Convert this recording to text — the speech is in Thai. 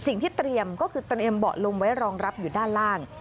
สิ่งที่เตรียมก็คือเตรียมเบาะลมไว้รองรับอยู่ด้านล่าง